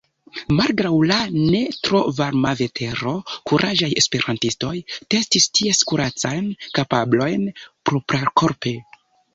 Malgraŭ la ne tro varma vetero, kuraĝaj esperantistoj testis ties kuracajn kapablojn proprakorpe.